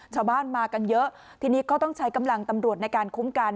ชาวบ้านมากันเยอะทีนี้ก็ต้องใช้กำลังตำรวจในการคุ้มกัน